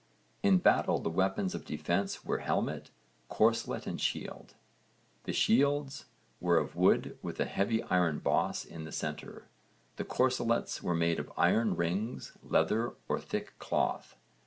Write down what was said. In battle the weapons of defence were helmet, corselet and shield. The shields were of wood with a heavy iron boss in the centre. The corselets were made of iron rings, leather, or thick cloth.